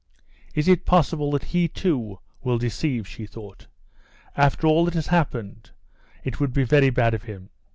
"Is it possible that he, too, will deceive?" she thought; "after all that has happened it would be very bad of him."